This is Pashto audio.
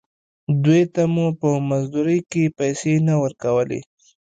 دوې ته مو په مزدورۍ کښې پيسې نه ورکولې.